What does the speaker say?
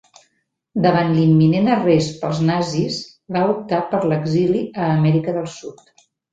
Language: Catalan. Davant l'imminent arrest pels nazis, va optar per l'exili a Amèrica del Sud.